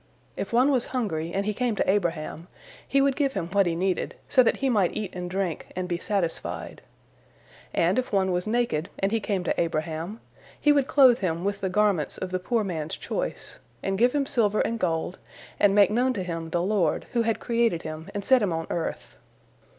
If one was hungry, and he came to Abraham, he would give him what he needed, so that he might eat and drink and be satisfied; and if one was naked, and he came to Abraham, he would clothe him with the garments of the poor man's choice, and give him silver and gold, and make known to him the Lord, who had created him and set him on earth.